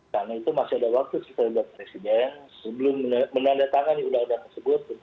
karena itu masih ada waktu kita lihat presiden sebelum menandatangani undang undang tersebut